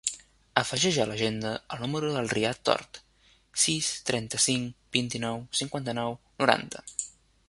Afegeix a l'agenda el número del Riad Tort: sis, trenta-cinc, vint-i-nou, cinquanta-nou, noranta.